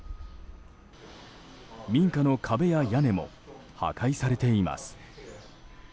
民家の壁や屋根も破壊されています。